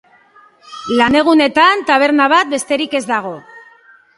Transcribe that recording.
Lanegunetan, taberna bat besterik ez dago.